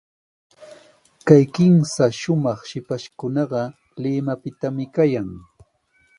Kay kimsa shumaq shipashkunaqa Limapitami kayan.